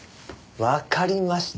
わかりました。